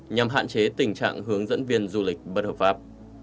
nhằm hạn chế tình trạng hướng dẫn viên du lịch bất hợp pháp